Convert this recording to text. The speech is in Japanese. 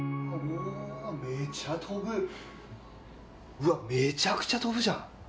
うわっめちゃくちゃ跳ぶじゃん。